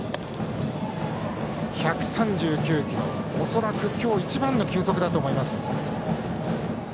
１３９キロ、恐らく今日一番の球速だと思います。